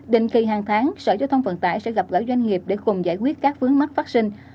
định kỳ hàng tháng sở giao thông vận tải sẽ gặp gỡ doanh nghiệp để cùng giải quyết các vướng mắc phát sinh